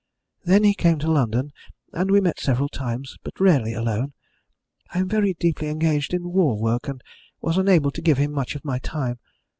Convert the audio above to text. Then he came to London, and we met several times, but rarely alone. I am very deeply engaged in war work, and was unable to give him much of my time.